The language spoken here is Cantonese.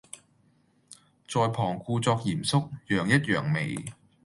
在旁故作嚴肅，揚一揚眉